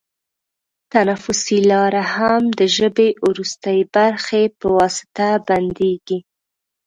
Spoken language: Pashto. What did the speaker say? تنفسي لاره هم د ژبۍ وروستۍ برخې په واسطه بندېږي.